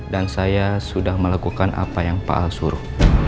dan saya sudah melakukan apa yang pak al suruh